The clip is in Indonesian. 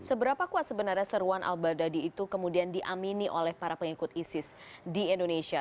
seberapa kuat sebenarnya seruan al badadi itu kemudian diamini oleh para pengikut isis di indonesia